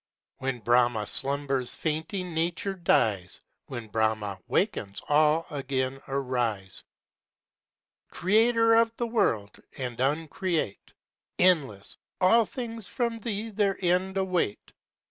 When BRAHMÁ slumbers fainting Nature dies, When BRAHMÁ wakens all again arise. Creator of the world, and uncreate! Endless! all things from Thee their end await.